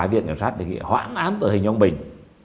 viện kiểm soát để họa án tờ hình ông bình